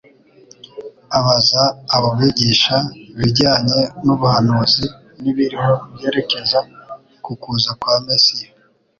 Abaza abo bigisha ibijyanye n'ubuhanuzi, n'ibiriho byerekeza ku kuza kwa Mesiya